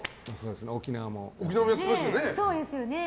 沖縄もやってましたよね。